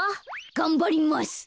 がんばります。